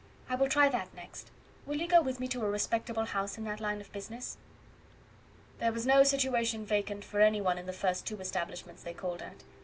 I will try that next. Will you go with me to a respectable house in that line of business?" There was no situation vacant for any one in the first two establishments they called at.